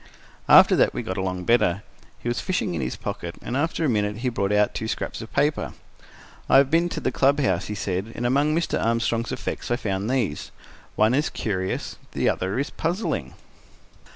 After that we got along better. He was fishing in his pocket, and after a minute he brought out two scraps of paper. "I have been to the club house," he said, "and among Mr. Armstrong's effects, I found these. One is curious; the other is puzzling."